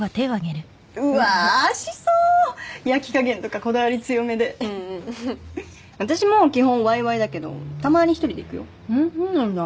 うわーしそう焼き加減とかこだわり強めでうんうんふふっ私も基本ワイワイだけどたまーに１人で行くよそうなんだ？